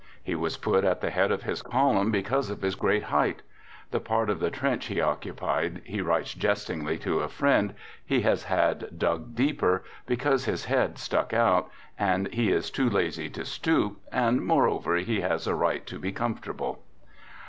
He was put at the head of his column because of his great height. The part of the trench he occupied, he writes jestingly to a friend, he has had dug deeper, because his head stuck out, and he is too lazy to stoop, and, moreover, he has a right to be comfortable